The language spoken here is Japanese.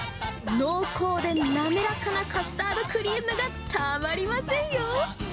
濃厚で滑らかなカスタードクリームがたまりませんよ。